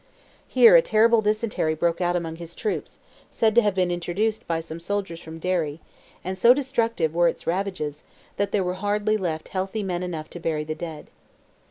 Here a terrible dysentery broke out among his troops, said to have been introduced by some soldiers from Derry, and so destructive were its ravages, that there were hardly left healthy men enough to bury the dead.